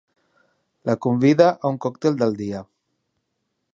La convida a un còctel del dia.